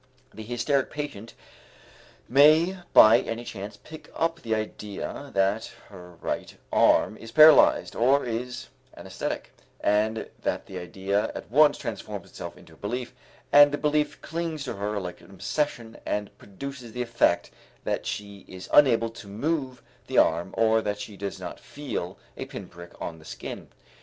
The hysteric patient may by any chance pick up the idea that her right arm is paralyzed or is anaesthetic and the idea at once transforms itself into a belief and the belief clings to her like an obsession and produces the effect that she is unable to move the arm or that she does not feel a pinprick on the skin.